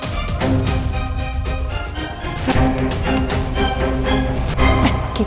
mas al bernyanyi